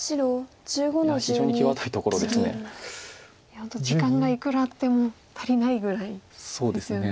本当時間がいくらあっても足りないぐらいですよね